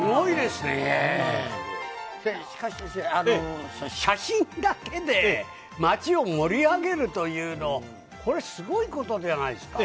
しかし先生、写真だけで町を盛り上げるというの、これ、すごいことじゃないですか。